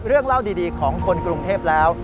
เรื่องเล่าดีของคนกรุงเทพแล้ว